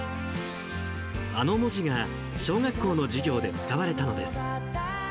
あの文字が小学校の授業で使われたのです。